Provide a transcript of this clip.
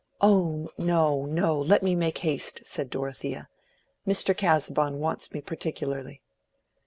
"Oh no, no! let me make haste," said Dorothea. "Mr. Casaubon wants me particularly."